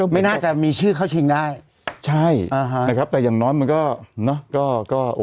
ไม่น่าจะมีชื่อเข้าชิงได้ใช่อ่าฮะนะครับแต่อย่างน้อยมันก็เนอะ